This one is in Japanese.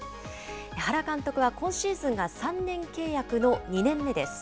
原監督は今シーズンが３年契約の２年目です。